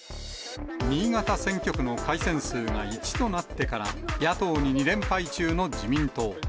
新潟選挙区の改選数が１となってから、野党に２連敗中の自民党。